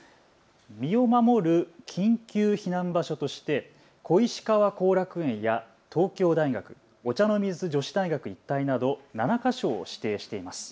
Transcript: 身を守る緊急避難場所として小石川後楽園や東京大学、お茶の水女子大学一帯など７か所を指定しています。